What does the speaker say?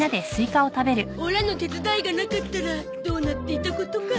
オラの手伝いがなかったらどうなっていたことか。